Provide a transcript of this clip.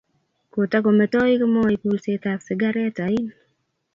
Kotakometoi Kimoi kulset ap sigaret ain.